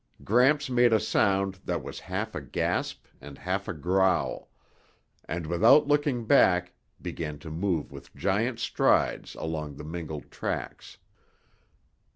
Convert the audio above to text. Gramps made a sound that was half a gasp and half a growl, and without looking back, began to move with giant strides along the mingled tracks.